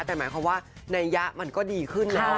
แต่หมายความว่านัยยะมันก็ดีขึ้นแล้ว